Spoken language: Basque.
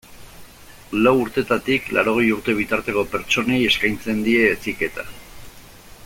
Lau urtetatik laurogei urte bitarteko pertsonei eskaintzen die heziketa.